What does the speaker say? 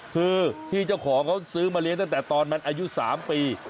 คือพี่เจ้าของเขาซื้อมาเลี้ยงตั้งแต่ตอนมันอายุ๓ปี